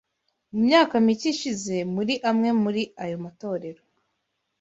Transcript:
Mu myaka mike ishize, muri amwe muri ayo materaniro